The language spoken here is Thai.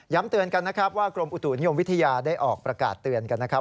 เตือนกันนะครับว่ากรมอุตุนิยมวิทยาได้ออกประกาศเตือนกันนะครับ